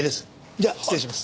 じゃあ失礼します。